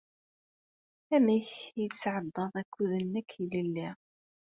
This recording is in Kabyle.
Amek ay tesɛeddaḍ akud-nnek ilelli?